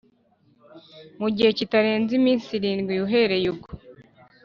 Mu gihe kitarenze iminsi irindwi uhereye ubwo